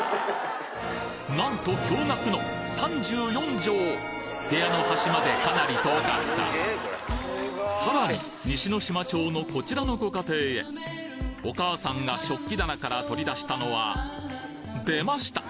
なんと驚愕の３４畳！部屋の端までかなり遠かったさらに西ノ島町のこちらのご家庭へお母さんが食器棚から取り出したのはでました！